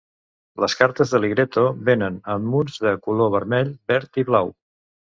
Les cartes de "Ligretto" vénen en munts de color vermell, verd i blau.